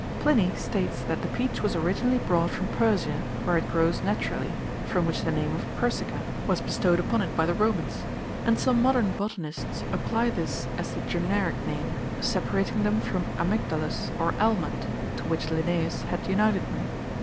Pliny states that the peach was originally brought from Persia, where it grows naturally, from which the name of Persica was bestowed upon it by the Romans; and some modern botanists apply this as the generic name, separating them from Amygdalus, or Almond, to which Linnaeus had united them.